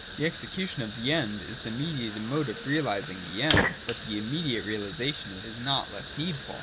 The execution of the End is the mediated mode of realising the End ; but the immediate reahsation is not less needful.